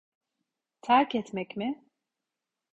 Terk etmek mi?